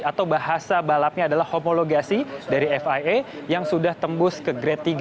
atau bahasa balapnya adalah homologasi dari fia yang sudah tembus ke grade tiga